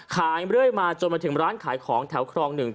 เรื่อยมาจนมาถึงร้านขายของแถวครองหนึ่ง